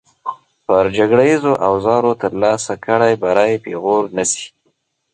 پر جګړیزو اوزارو ترلاسه کړی بری پېغور نه شي.